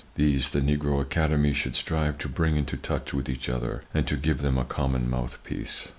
These the Negro Academy should strive to bring into touch with each other and to give them a common mouthpiece.